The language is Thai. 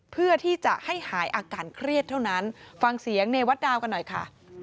เพื่อที่จะให้หายอาการเครียดเท่านั้นฟังเสียงเนวัตดาวกันหน่อยค่ะ